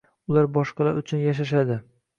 Ular boshqalar uchun yashashadi.